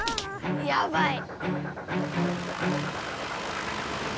やばい。